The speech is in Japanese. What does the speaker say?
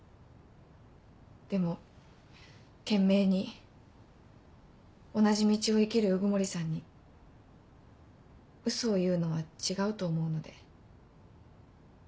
でも懸命に同じ道を生きる鵜久森さんにウソを言うのは違うと思うので。